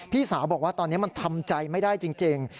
พี่สาวบอกว่าตอนนี้มันทำใจไม่ได้จริง